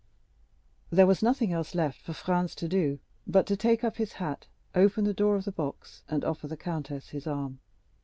There was nothing else left for Franz to do but to take up his hat, open the door of the box, and offer the countess his arm.